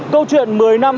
câu chuyện một mươi năm